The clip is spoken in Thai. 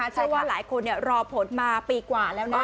เชื่อว่าหลายคนรอผลมาปีกว่าแล้วนะ